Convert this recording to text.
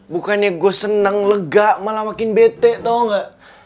bukannya gue senang lega malah makin bete tau gak